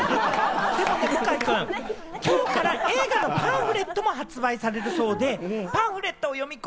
でもね、向井くん、きょうから映画のパンフレットも発売されるそうで、パンフレットを読み込